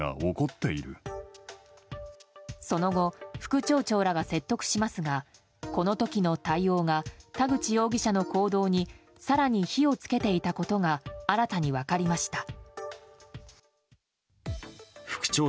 その後副町長らは説得しますがこの時の対応が田口容疑者の行動に更に火を付けていたことが新たに分かりました。